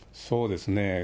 そうですね。